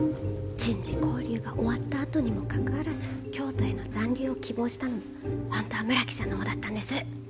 人事交流が終わったあとにもかかわらず京都への残留を希望したのも本当は村木さんのほうだったんです！